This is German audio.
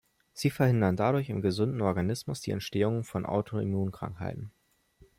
Sie verhindern dadurch im gesunden Organismus die Entstehung von Autoimmunkrankheiten.